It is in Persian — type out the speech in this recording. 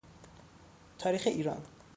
تاریخ ایران